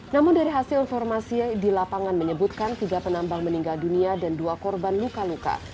namun dari hasil informasi di lapangan menyebutkan tiga penambang meninggal dunia dan dua korban luka luka